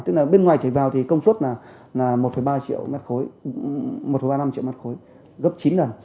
tức là bên ngoài chạy vào thì công suất là một ba triệu mát khối một ba mươi năm triệu mát khối gấp chín lần